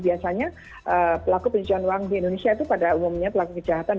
biasanya pelaku pencucian uang di indonesia itu pada umumnya pelaku kejahatan